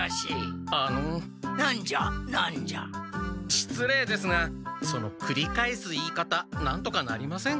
しつれいですがそのくり返す言い方なんとかなりませんか？